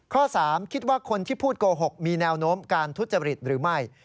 ข้อ๓คิดว่าคนที่พูดโกหกมีแนวโน้มการทุจริตหรือไม่